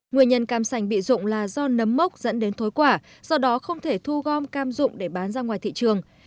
nguyên nhân cam sành bị dụng là do nấm mốc dẫn đến thối quả do đó không thể thu gom cam dụng để bán ra ngoài thị trường